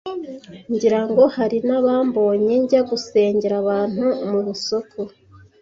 ngirango hari nabambonye njya gusengera abantu mu isoko ,